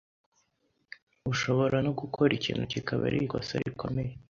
Ushobora no gukora ikintu kikaba ari ikosa rikomeye